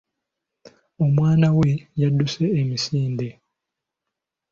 Omwana we yaduuse emisinde.